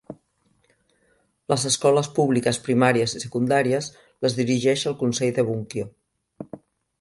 Les escoles públiques primàries i secundàries les dirigeix el consell de Bunkyo.